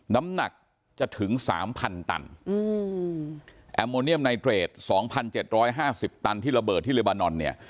น้ำหนักจะถึง๓๐๐๐ตันแอลโมเนียมไนเตรด๒๗๕๐ตันที่ระเบิดที่เรบานอนเนี่ย